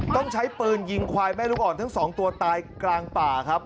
ต้องใช้ปืนยิงควายแม่ลูกอ่อนทั้งสองตัวตายกลางป่าครับ